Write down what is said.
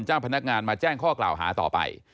เจ้าพนักงานมาแจ้งข้อกล่าวหาต่อไป